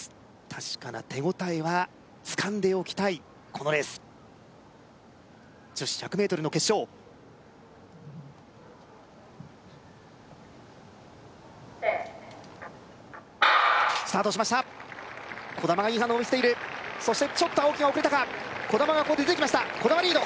確かな手応えはつかんでおきたいこのレース女子１００ｍの決勝Ｓｅｔスタートしました兒玉がいい反応を見せているそしてちょっと青木が遅れたか兒玉がここで出てきました兒玉リード